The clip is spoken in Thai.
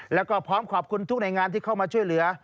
แล้วก็พร้อมขอบคุณทุกหน่วยงานที่เข้ามาช่วยเหลือ